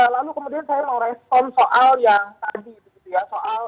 lalu kemudian saya mau respon soal yang tadi begitu ya